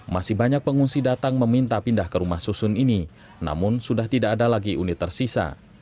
masih banyak pengungsi datang meminta pindah ke rumah susun ini namun sudah tidak ada lagi unit tersisa